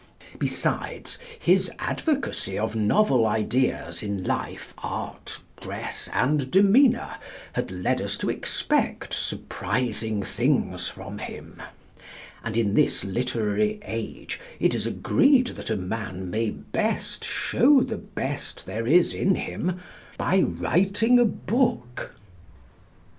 Besides, his advocacy of novel ideas in life, art, dress and demeanour had led us to expect surprising things from him; and in this literary age it is agreed that a man may best show the best there is in him by writing a book.